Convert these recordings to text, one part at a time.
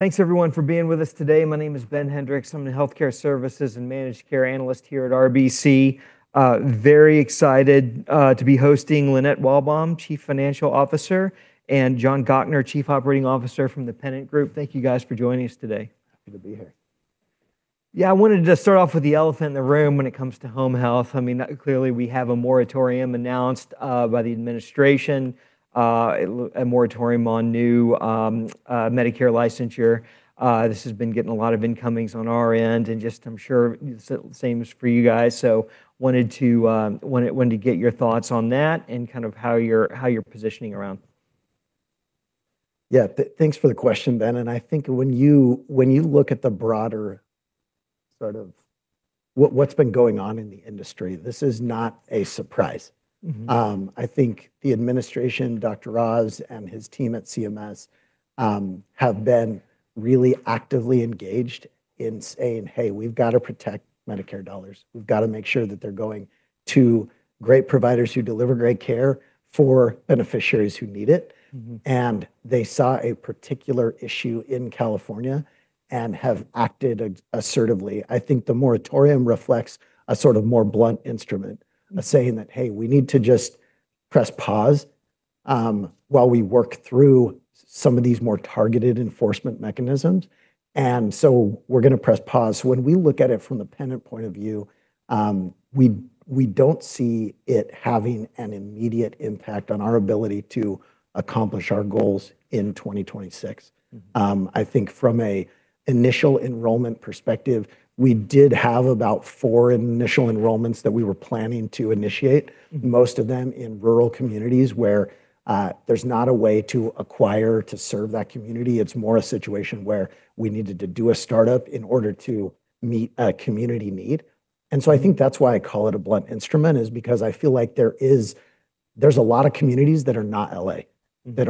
Thanks everyone for being with us today. My name is Ben Hendrix. I'm the Healthcare Services and Managed Care analyst here at RBC. Very excited to be hosting Lynette Walbom, Chief Financial Officer, and John Gochnour, Chief Operating Officer from The Pennant Group. Thank you guys for joining us today. Happy to be here. Yeah, I wanted to just start off with the elephant in the room when it comes to Home Health. Clearly, we have a moratorium announced by the administration, a moratorium on new Medicare licensure. This has been getting a lot of incomings on our end, and I'm sure same as for you guys. Wanted to get your thoughts on that and how you're positioning around. Yeah. Thanks for the question, Ben, and I think when you look at the broader, what's been going on in the industry, this is not a surprise. I think the administration, Dr. Oz, and his team at CMS, have been really actively engaged in saying, "Hey. We've got to protect Medicare dollars. We've got to make sure that they're going to great providers who deliver great care for beneficiaries who need it. They saw a particular issue in California and have acted assertively. I think the moratorium reflects a more blunt instrument, a saying that, "Hey, we need to just press pause while we work through some of these more targeted enforcement mechanisms. We're going to press pause." When we look at it from The Pennant point of view, we don't see it having an immediate impact on our ability to accomplish our goals in 2026. I think from an initial enrollment perspective, we did have about 4 initial enrollments that we were planning to initiate. Most of them in rural communities where there's not a way to acquire to serve that community. It's more a situation where we needed to do a startup in order to meet a community need. I think that's why I call it a blunt instrument, is because I feel like there's a lot of communities that are not L.A. That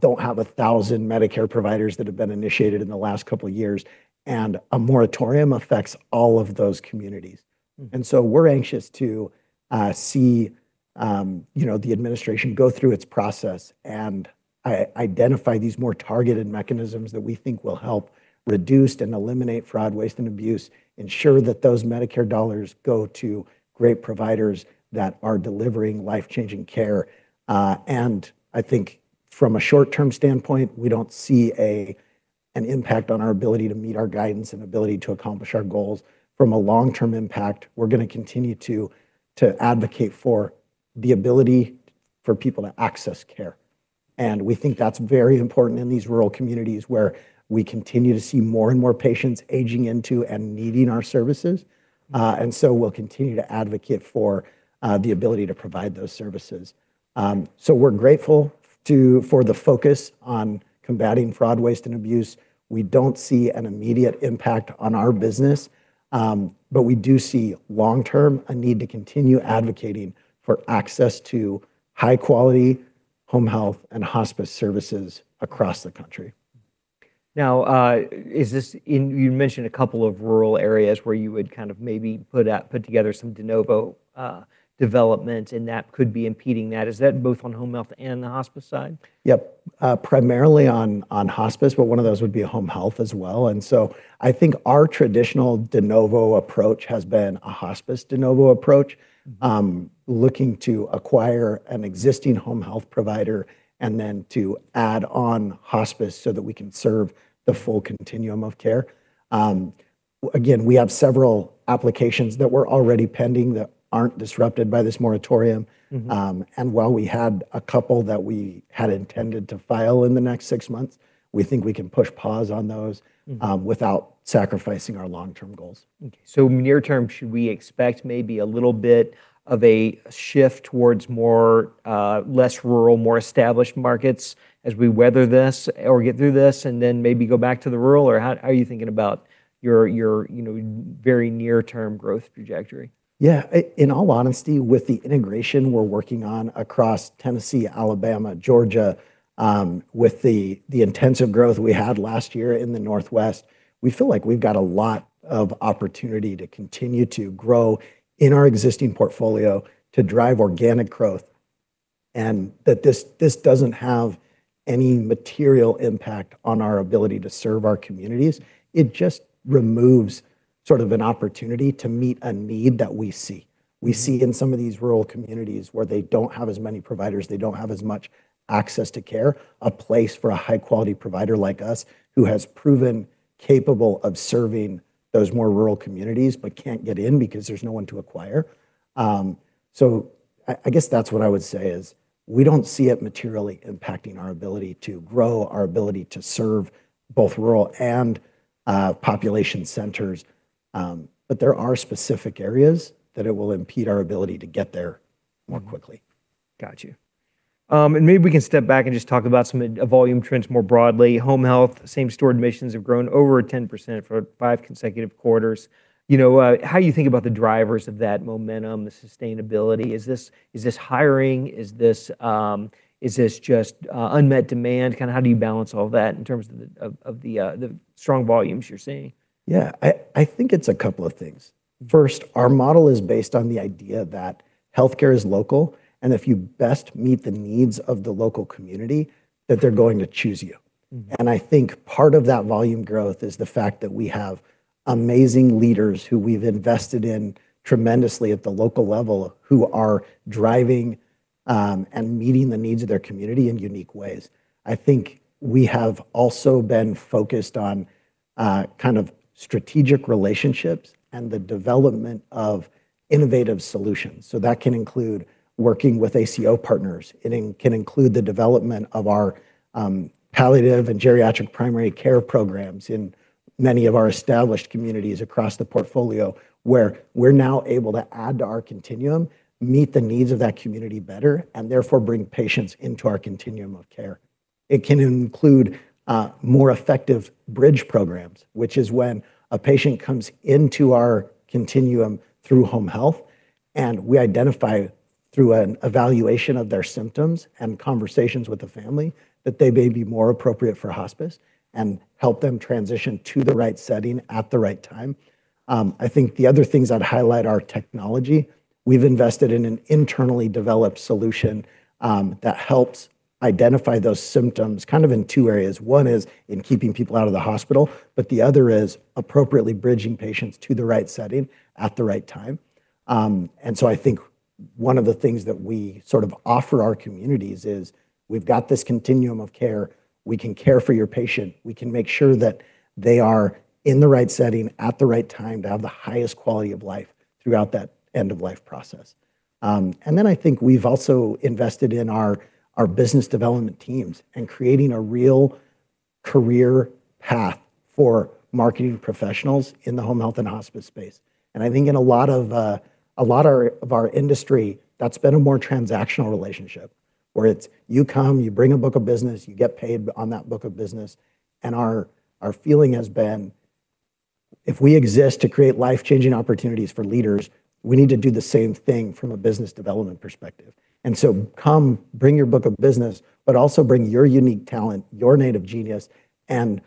don't have 1,000 Medicare providers that have been initiated in the last couple of years, and a moratorium affects all of those communities. We're anxious to see the administration go through its process and identify these more targeted mechanisms that we think will help reduce and eliminate fraud, waste, and abuse, ensure that those Medicare dollars go to great providers that are delivering life-changing care. I think from a short-term standpoint, we don't see an impact on our ability to meet our guidance and ability to accomplish our goals. From a long-term impact, we're going to continue to advocate for the ability for people to access care, and we think that's very important in these rural communities where we continue to see more and more patients aging into and needing our services. We'll continue to advocate for the ability to provide those services. We're grateful for the focus on combating fraud, waste, and abuse. We don't see an immediate impact on our business, but we do see long-term, a need to continue advocating for access to high quality Home Health and hospice services across the country. You mentioned a couple of rural areas where you would maybe put together some de novo developments, and that could be impeding that. Is that both on home health and the hospice side? Yep. Primarily on hospice, but one of those would be home health as well. I think our traditional de novo approach has been a hospice de novo approach. Looking to acquire an existing Home Health provider and then to add on hospice so that we can serve the full continuum of care. Again, we have several applications that were already pending that aren't disrupted by this moratorium. While we had a couple that we had intended to file in the next six months, we think we can push pause on those. without sacrificing our long-term goals. Okay. Near term, should we expect maybe a little bit of a shift towards more less rural, more established markets as we weather this or get through this and then maybe go back to the rural, or how are you thinking about your very near-term growth trajectory? Yeah. In all honesty, with the integration we're working on across Tennessee, Alabama, Georgia, with the intensive growth we had last year in the Northwest, we feel like we've got a lot of opportunity to continue to grow in our existing portfolio, to drive organic growth, and that this doesn't have any material impact on our ability to serve our communities. It just removes an opportunity to meet a need that we see. We see in some of these rural communities where they don't have as many providers, they don't have as much access to care, a place for a high-quality provider like us, who has proven capable of serving those more rural communities but can't get in because there's no one to acquire. I guess that's what I would say is, we don't see it materially impacting our ability to grow, our ability to serve both rural and population centers. There are specific areas that it will impede our ability to get there more quickly. Got you. Maybe we can step back and just talk about some volume trends more broadly. Home Health, same-store admissions have grown over 10% for five consecutive quarters. How you think about the drivers of that momentum, the sustainability? Is this hiring? Is this just unmet demand? How do you balance all that in terms of the strong volumes you're seeing? Yeah. I think it's a couple of things. First, our model is based on the idea healthcare is local, and if you best meet the needs of the local community, then they're going to choose you. I think part of that volume growth is the fact that we have amazing leaders who we've invested in tremendously at the local level, who are driving and meeting the needs of their community in unique ways. I think we have also been focused on strategic relationships and the development of innovative solutions. That can include working with ACO partners. It can include the development of our palliative and geriatric primary care programs in many of our established communities across the portfolio, where we're now able to add to our continuum, meet the needs of that community better, and therefore bring patients into our continuum of care. It can include more effective bridge programs, which is when a patient comes into our continuum through Home Health, and we identify through an evaluation of their symptoms and conversations with the family that they may be more appropriate for hospice, and help them transition to the right setting at the right time. I think the other things I'd highlight are technology. We've invested in an internally developed solution that helps identify those symptoms in 2 areas. 1 is in keeping people out of the hospital, but the other is appropriately bridging patients to the right setting at the right time. I think 1 of the things that we sort of offer our communities is, we've got this continuum of care. We can care for your patient. We can make sure that they are in the right setting at the right time to have the highest quality of life throughout that end-of-life process. I think we've also invested in our business development teams and creating a real career path for marketing professionals in the Home Health and hospice space. I think in a lot of our industry, that's been a more transactional relationship, where it's you come, you bring a book of business, you get paid on that book of business. Our feeling has been, if we exist to create life-changing opportunities for leaders, we need to do the same thing from a business development perspective. Come, bring your book of business, but also bring your unique talent, your native genius, and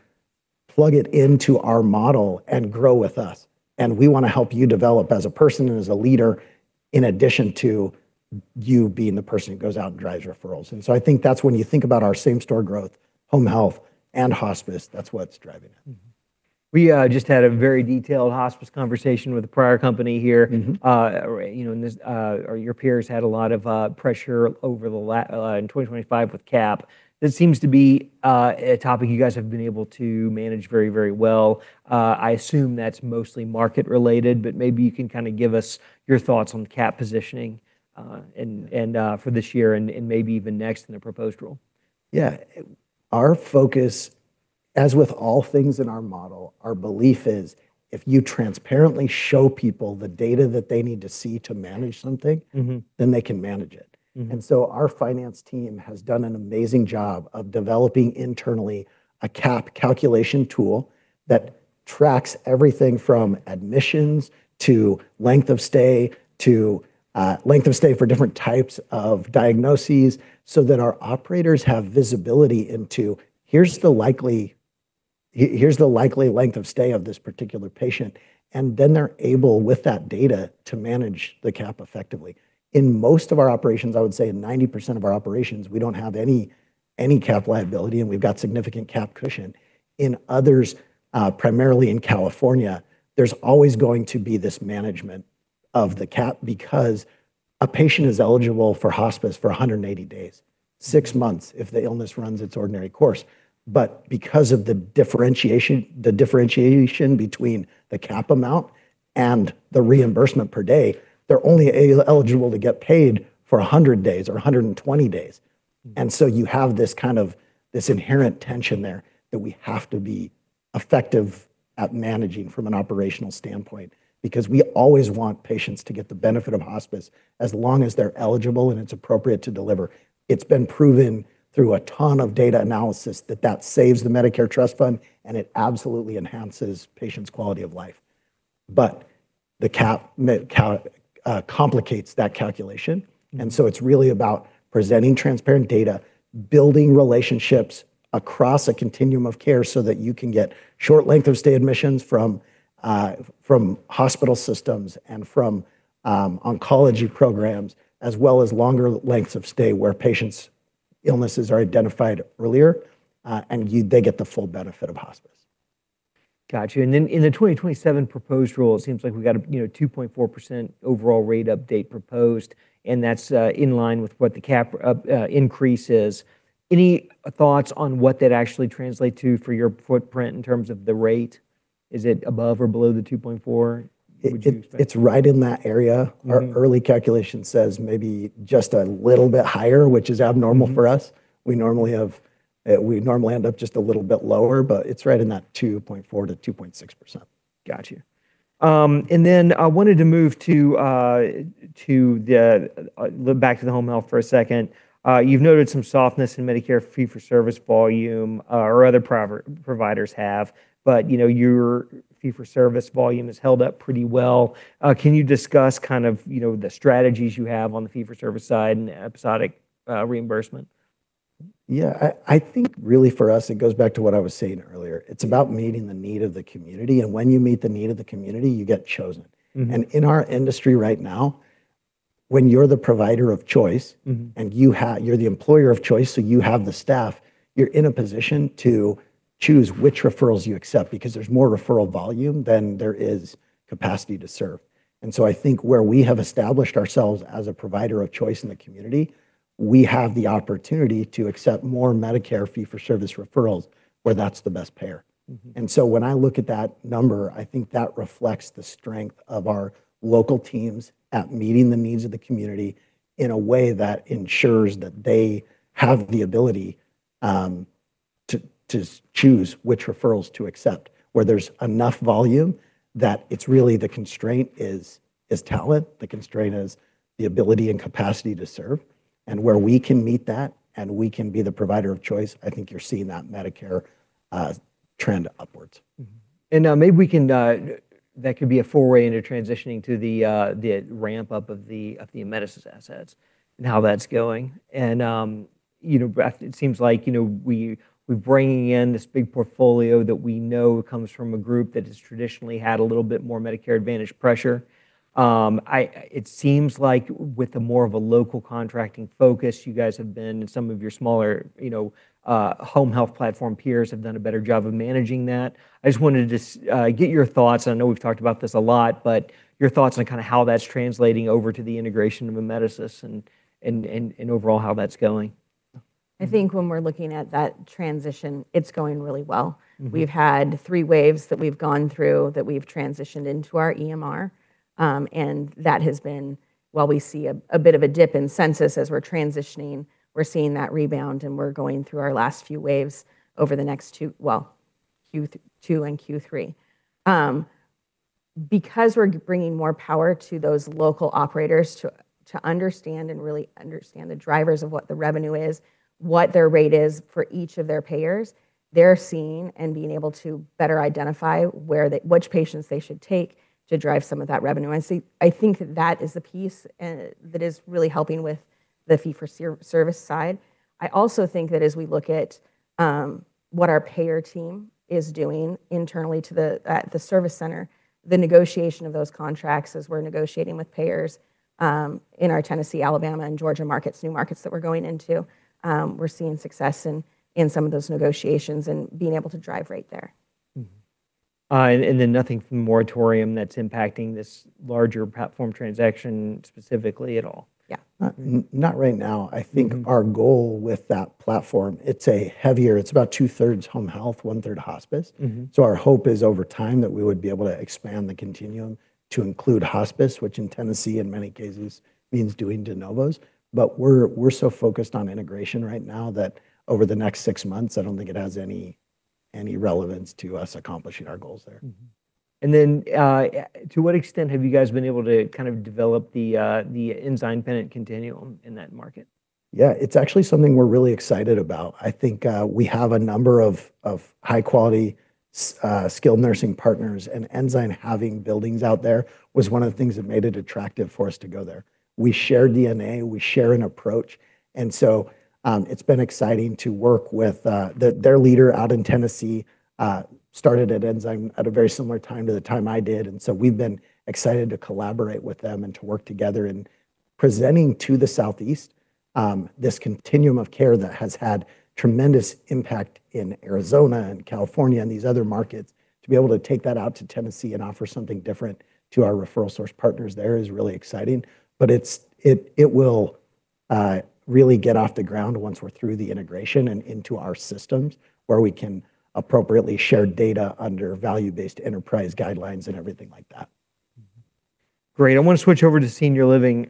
plug it into our model and grow with us. We want to help you develop as a person and as a leader, in addition to you being the person who goes out and drives referrals. I think that's when you think about our same-store growth, Home Health and hospice, that's what's driving it. We just had a very detailed hospice conversation with a prior company here. Your peers had a lot of pressure in 2025 with CAP. This seems to be a topic you guys have been able to manage very, very well. I assume that's mostly market related, but maybe you can give us your thoughts on CAP positioning for this year and maybe even next in the proposed rule. Yeah. Our focus, as with all things in our model, our belief is if you transparently show people the data that they need to see to manage something. They can manage it. Our finance team has done an amazing job of developing internally a CAP calculation tool that tracks everything from admissions to length of stay, to length of stay for different types of diagnoses, so that our operators have visibility into, "Here's the likely length of stay of this particular patient." They're able, with that data, to manage the CAP effectively. In most of our operations, I would say in 90% of our operations, we don't have any CAP liability, and we've got significant CAP cushion. In others, primarily in California, there's always going to be this management of the CAP because a patient is eligible for hospice for 180 days, six months if the illness runs its ordinary course. Because of the differentiation between the CAP amount and the reimbursement per day, they're only eligible to get paid for 100 days or 120 days. You have this inherent tension there that we have to be effective at managing from an operational standpoint. We always want patients to get the benefit of hospice as long as they're eligible and it's appropriate to deliver. It's been proven through a ton of data analysis that that saves the Medicare trust fund, and it absolutely enhances patients' quality of life. The CAP complicates that calculation, it's really about presenting transparent data, building relationships across a continuum of care so that you can get short length of stay admissions from hospital systems and from oncology programs, as well as longer lengths of stay where patients' illnesses are identified earlier, and they get the full benefit of hospice. Got you. In the 2027 proposed rule, it seems like we got a 2.4% overall rate update proposed, and that's in line with what the CAP increase is. Any thoughts on what that actually translate to for your footprint in terms of the rate? Is it above or below the 2.4 would you expect? It's right in that area. Our early calculation says maybe just a little bit higher, which is abnormal for us. We normally end up just a little bit lower. It's right in that 2.4%-2.6%. Got you. I wanted to move back to the Home Health for a second. You've noted some softness in Medicare fee-for-service volume, or other providers have. Your fee-for-service volume has held up pretty well. Can you discuss the strategies you have on the fee-for-service side and episodic reimbursement? Yeah. I think really for us, it goes back to what I was saying earlier. It's about meeting the need of the community, and when you meet the need of the community, you get chosen. in our industry right now, when you're the provider of choice. You're the employer of choice, so you have the staff, you're in a position to choose which referrals you accept, because there's more referral volume than there is capacity to serve. I think where we have established ourselves as a provider of choice in the community, we have the opportunity to accept more Medicare fee-for-service referrals where that's the best payer. When I look at that number, I think that reflects the strength of our local teams at meeting the needs of the community in a way that ensures that they have the ability to choose which referrals to accept. Where there's enough volume that it's really the constraint is talent, the constraint is the ability and capacity to serve, and where we can meet that and we can be the provider of choice, I think you're seeing that Medicare trend upwards. Now maybe that could be a full way into transitioning to the ramp-up of the Amedisys assets and how that's going. It seems like we're bringing in this big portfolio that we know comes from a group that has traditionally had a little bit more Medicare Advantage pressure. It seems like with a more of a local contracting focus, you guys have been, and some of your smaller Home Health platform peers have done a better job of managing that. I just wanted to just get your thoughts, and I know we've talked about this a lot, but your thoughts on how that's translating over to the integration of Amedisys and overall how that's going. I think when we're looking at that transition, it's going really well. We've had 3 waves that we've gone through that we've transitioned into our EMR, and that has been, while we see a bit of a dip in census as we're transitioning, we're seeing that rebound and we're going through our last few waves over the next 2, well, Q2 and Q3. We're bringing more power to those local operators to understand and really understand the drivers of what the revenue is, what their rate is for each of their payers, they're seeing and being able to better identify which patients they should take to drive some of that revenue. I think that is the piece that is really helping with the fee-for-service side. I also think that as we look at what our payer team is doing internally at the service center, the negotiation of those contracts as we're negotiating with payers in our Tennessee, Alabama, and Georgia markets, new markets that we're going into, we're seeing success in some of those negotiations and being able to drive rate there. Then nothing from the moratorium that's impacting this larger platform transaction specifically at all. Yeah. Not right now. I think our goal with that platform, it's a heavier, it's about two thirds Home Health, one third hospice. Our hope is over time that we would be able to expand the continuum to include hospice, which in Tennessee in many cases means doing de novos. We're so focused on integration right now that over the next six months, I don't think it has any relevance to us accomplishing our goals there. Mm-hmm. To what extent have you guys been able to kind of develop the Ensign Pennant continuum in that market? Yeah. It's actually something we're really excited about. I think we have a number of high quality, skilled nursing partners and Ensign having buildings out there was one of the things that made it attractive for us to go there. We share DNA, we share an approach. It's been exciting to work with, their leader out in Tennessee, started at Ensign at a very similar time to the time I did. We've been excited to collaborate with them and to work together in presenting to the southeast, this continuum of care that has had tremendous impact in Arizona and California and these other markets. To be able to take that out to Tennessee and offer something different to our referral source partners there is really exciting. It will really get off the ground once we're through the integration and into our systems where we can appropriately share data under value-based enterprise guidelines and everything like that. Great. I want to switch over to Senior Living.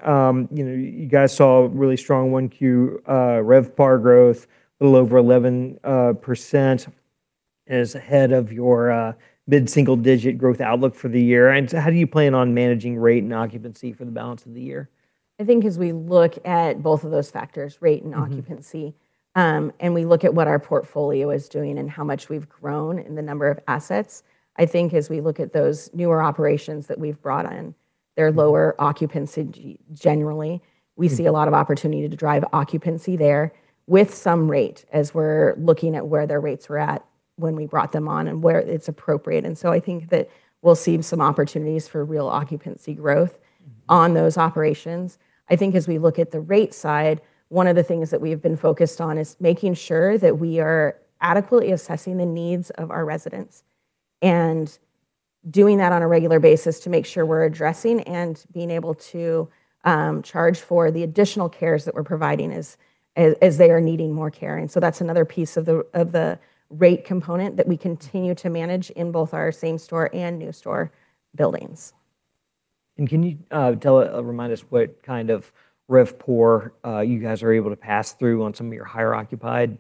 You guys saw really strong 1Q REVPAR growth, a little over 11%, is ahead of your mid-single digit growth outlook for the year. How do you plan on managing rate and occupancy for the balance of the year? I think as we look at both of those factors, rate and occupancy. We look at what our portfolio is doing and how much we've grown in the number of assets, I think as we look at those newer operations that we've brought in, they're lower occupancy generally. We see a lot of opportunity to drive occupancy there with some rate as we're looking at where their rates were at when we brought them on and where it's appropriate. I think that we'll see some opportunities for real occupancy growth on those operations. I think as we look at the rate side, one of the things that we've been focused on is making sure that we are adequately assessing the needs of our residents, and doing that on a regular basis to make sure we're addressing and being able to charge for the additional cares that we're providing as they are needing more care. That's another piece of the rate component that we continue to manage in both our same-store and new-store buildings. Can you remind us what kind of REVPAR you guys are able to pass through on some of your higher occupied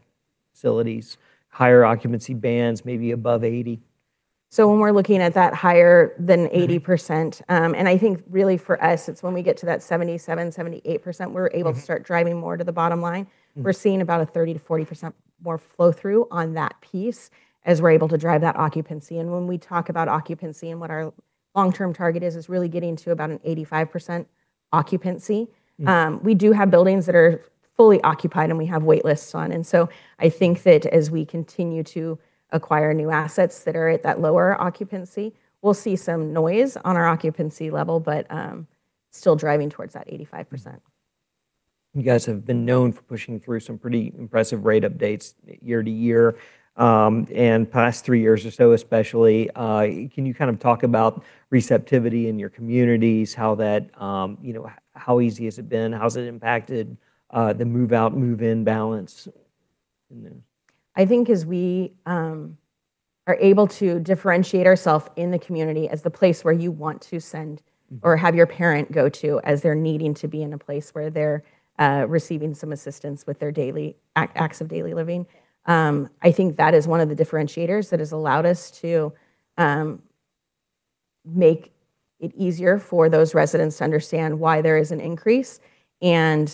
facilities, higher occupancy bands, maybe above 80? When we're looking at that higher than 80%, and I think really for us, it's when we get to that 77%-78%, we're able to start driving more to the bottom line. We're seeing about a 30%-40% more flow-through on that piece as we're able to drive that occupancy. When we talk about occupancy and what our long-term target is, it's really getting to about an 85% occupancy. We do have buildings that are fully occupied, and we have wait lists on. I think that as we continue to acquire new assets that are at that lower occupancy, we'll see some noise on our occupancy level, but still driving towards that 85%. You guys have been known for pushing through some pretty impressive rate updates year-over-year, and past three years or so, especially. Can you talk about receptivity in your communities? How easy has it been? How has it impacted the move out, move in balance? I think as we are able to differentiate ourselves in the community as the place where you want to. or have your parent go to as they're needing to be in a place where they're receiving some assistance with their acts of daily living. I think that is one of the differentiators that has allowed us to make it easier for those residents to understand why there is an increase on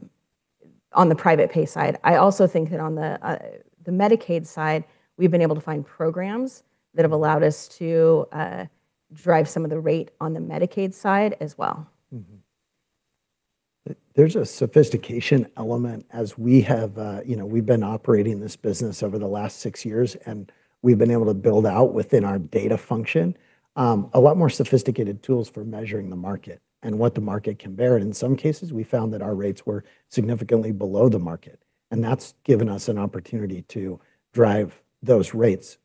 the private pay side. I also think that on the Medicaid side, we've been able to find programs that have allowed us to drive some of the rate on the Medicaid side as well. There's a sophistication element as we've been operating this business over the last six years, we've been able to build out within our data function, a lot more sophisticated tools for measuring the market and what the market can bear. In some cases, we found that our rates were significantly below the market, and that's given us an opportunity to drive those rates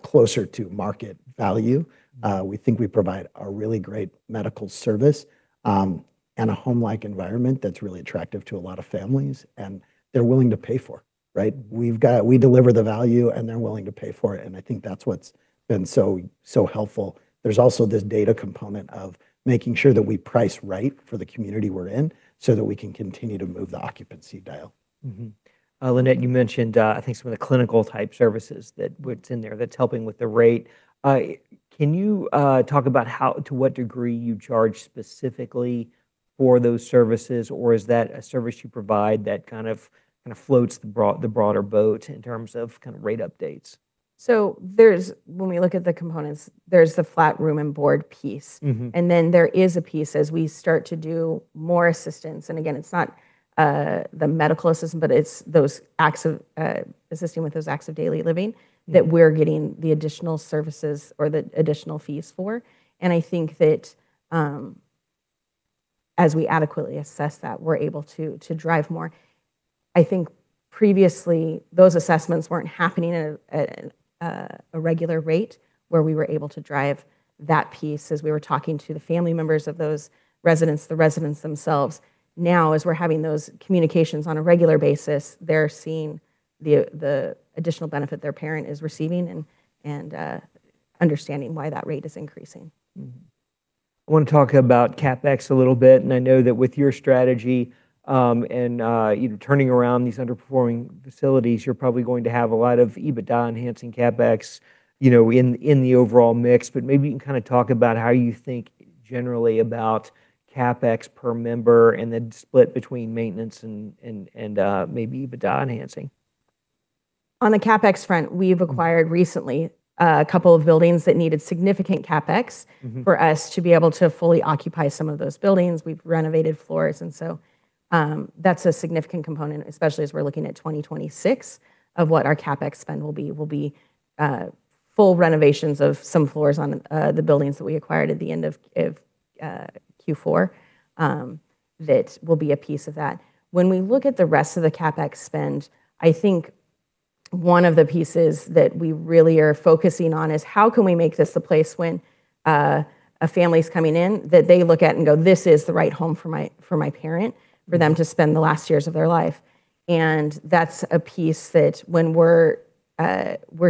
closer to market value. We think we provide a really great medical service, and a home-like environment that's really attractive to a lot of families, and they're willing to pay for it. Right? We deliver the value, and they're willing to pay for it, and I think that's what's been so helpful. There's also this data component of making sure that we price right for the community we're in so that we can continue to move the occupancy dial. Mm-hmm. Lynette, you mentioned, I think, some of the clinical type services that is in there that is helping with the rate. Can you talk about to what degree you charge specifically for those services, or is that a service you provide that kind of floats the broader boat in terms of rate updates? When we look at the components, there's the flat room and board piece. Then there is a piece as we start to do more assistance. Again, it's not the medical assistance, but it's assisting with those acts of daily living. that we're getting the additional services or the additional fees for. I think that, as we adequately assess that, we're able to drive more. I think previously, those assessments weren't happening at a regular rate where we were able to drive that piece as we were talking to the family members of those residents, the residents themselves. Now, as we're having those communications on a regular basis, they're seeing the additional benefit their parent is receiving, and understanding why that rate is increasing. I want to talk about CapEx a little bit, and I know that with your strategy, and turning around these underperforming facilities, you're probably going to have a lot of EBITDA enhancing CapEx in the overall mix. Maybe you can talk about how you think generally about CapEx per member, and the split between maintenance and maybe EBITDA enhancing. On the CapEx front, we've acquired recently a couple of buildings that needed significant CapEx. for us to be able to fully occupy some of those buildings. We've renovated floors, that's a significant component, especially as we're looking at 2026 of what our CapEx spend will be. Will be full renovations of some floors on the buildings that we acquired at the end of Q4, that will be a piece of that. When we look at the rest of the CapEx spend, I think one of the pieces that we really are focusing on is how can we make this the place when a family's coming in that they look at and go, "This is the right home for my parent for them to spend the last years of their life." That's a piece that when we're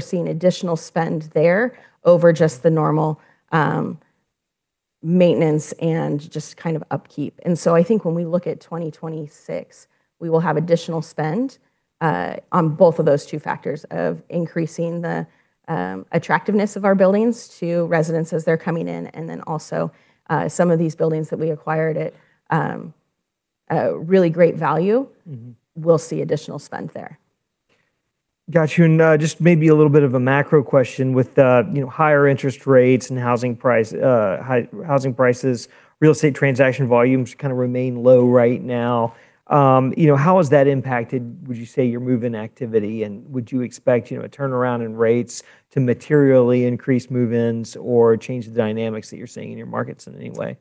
seeing additional spend there over just the normal maintenance and just upkeep. I think when we look at 2026, we will have additional spend on both of those 2 factors of increasing the attractiveness of our buildings to residents as they're coming in. Also, some of these buildings that we acquired at a really great value. we'll see additional spend there. Got you. Just maybe a little bit of a macro question with the higher interest rates and housing prices, real estate transaction volumes kind of remain low right now. How has that impacted, would you say, your move-in activity, and would you expect a turnaround in rates to materially increase move-ins or change the dynamics that you're seeing in your markets in any way?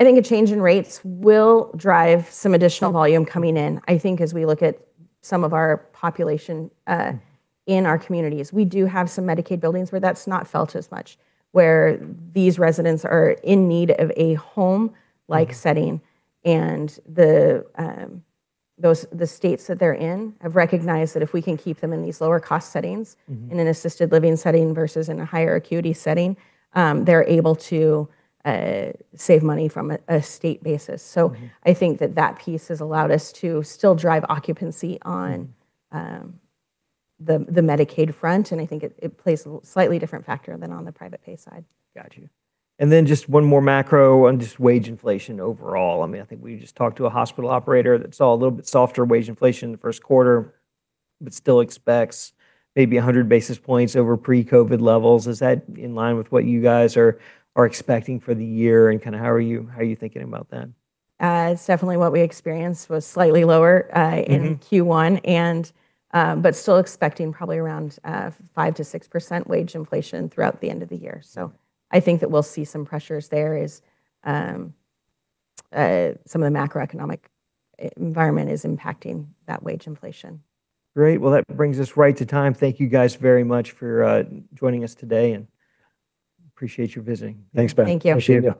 I think a change in rates will drive some additional volume coming in. I think as we look at some of our population in our communities, we do have some Medicaid buildings where that's not felt as much, where these residents are in need of a home-like setting. The states that they're in have recognized that if we can keep them in these lower cost settings. in an assisted living setting versus in a higher acuity setting, they're able to save money from a state basis. I think that piece has allowed us to still drive occupancy on the Medicaid front, and I think it plays a slightly different factor than on the private pay side. Got you. Just one more macro on just wage inflation overall. I think we just talked to a hospital operator that saw a little bit softer wage inflation in the first quarter, but still expects maybe 100 basis points over pre-COVID levels. Is that in line with what you guys are expecting for the year, and how are you thinking about that? It's definitely what we experienced was slightly lower. in Q1. Still expecting probably around 5%-6% wage inflation throughout the end of the year. I think that we'll see some pressures there as some of the macroeconomic environment is impacting that wage inflation. Great. Well, that brings us right to time. Thank you guys very much for joining us today, and appreciate you visiting. Thanks, Ben. Thank you. Appreciate it.